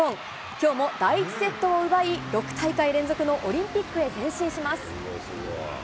きょうも第１セットを奪い、６大会連続のオリンピックへ前進します。